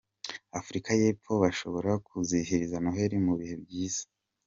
Afurika y’Epfo bashobora kuzizihiriza Noheli mu bihe byiza